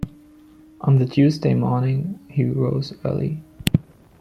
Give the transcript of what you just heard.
On the Tuesday morning he rose early.